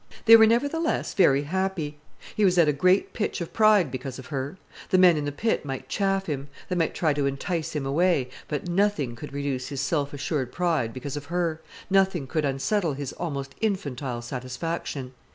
They were nevertheless very happy. He was at a great pitch of pride because of her. The men in the pit might chaff him, they might try to entice him away, but nothing could reduce his self assured pride because of her, nothing could unsettle his almost infantile satisfaction.